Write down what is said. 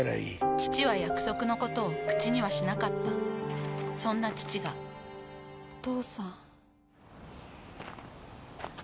父は約束のことを口にはしなかったそんな父がお父さん。